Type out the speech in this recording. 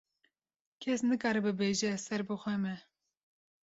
kes nikare bibêje ez ser bi xwe me.